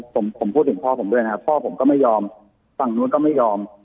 ผมผมพูดถึงพ่อผมด้วยนะครับพ่อผมก็ไม่ยอมฝั่งนู้นก็ไม่ยอม